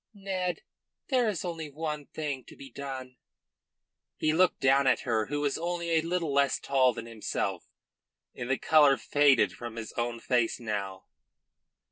"Ned, there is only one thing to be done." He looked down at her who was only a little less tall than himself, and the colour faded from his own face now.